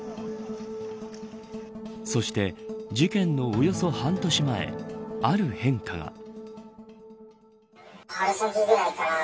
そして事件のおよそ半年前ある変化が。